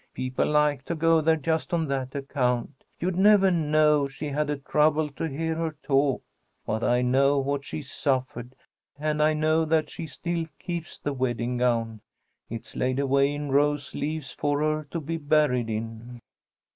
People like to go there just on that account. You'd never know she had a trouble to hear her talk. But I know what she's suffered, and I know that she still keeps the wedding gown. It's laid away in rose leaves for her to be buried in."